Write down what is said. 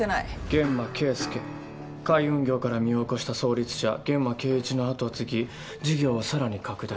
諫間慶介海運業から身を起こした創立者諫間慶壱の後を継ぎ事業を更に拡大。